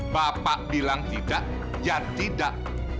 bapak bilang tidak ya tidak